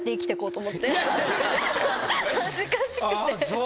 恥ずかしくて。